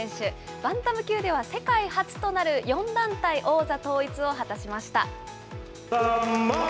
バンタム級では世界初となる４団体王座統一を果たしました。